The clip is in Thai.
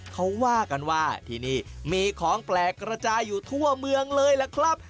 เขาว่ากันว่าที่นี่มีของแปลกกระจายอยู่ทั่วเมืองเลยล่ะครับ